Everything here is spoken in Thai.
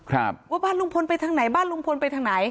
ครับว่าบ้านลุงพลไปทางไหนบ้านลุงพลไปทางไหน